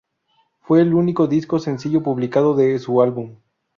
Fue el único disco sencillo publicado de su álbum.